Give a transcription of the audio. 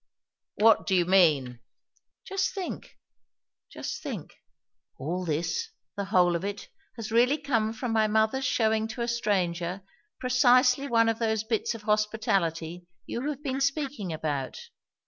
"What do you mean?" "Just think just think. All this, the whole of it, has really come from my mother's shewing to a stranger precisely one of those bits of hospitality you have been speaking about.